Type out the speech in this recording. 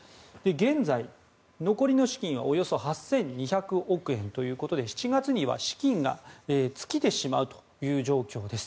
現在、残りの資金はおよそ８２００億円ということで７月には資金が尽きてしまうという状況です。